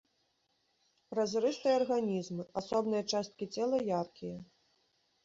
Празрыстыя арганізмы, асобныя часткі цела яркія.